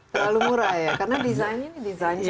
terlalu murah ya karena desainnya ini sangat luar biasa bagus